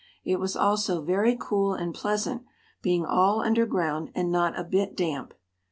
It was also very cool and pleasant, being all underground and not a bit damp.